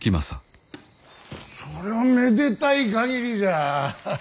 そりゃめでたい限りじゃ。